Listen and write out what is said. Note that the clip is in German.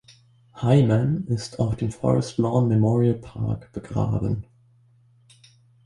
Hyman ist auf dem Forest Lawn Memorial Park begraben.